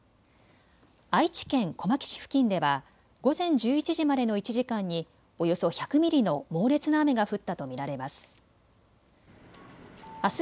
愛知県小牧市付近では午前１１時までの１時間におよそ１００ミリの猛烈な雨が降ったと見られます。